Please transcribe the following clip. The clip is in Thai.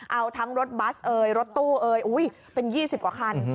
เอาทั้งรถบัสเอ่ยรถตู้เอ่ยเป็น๒๐กว่าคัน